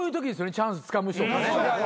チャンスつかむ人ってね。